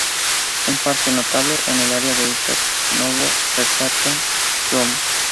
Un parque notable en el área es Upper Norwood Recreation Ground.